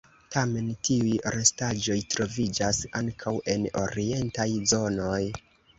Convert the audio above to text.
Tamen tiuj restaĵoj troviĝas ankaŭ en orientaj zonoj.